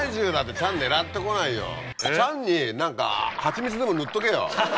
チャンに何かハチミツでも塗っとけよ。